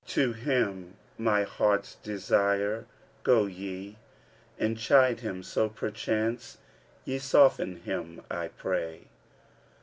to him my heart's desire, go ye And chide him so perchance ye soften him I pray.